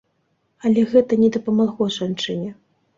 Але гэта не дапамагло жанчыне.